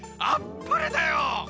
あっぱれだよ！